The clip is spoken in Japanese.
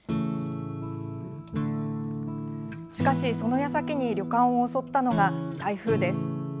しかし、その矢先に旅館を襲ったのが台風です。